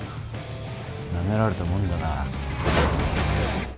なめられたもんだな。